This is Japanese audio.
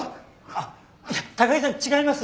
あっいや高木さん違います。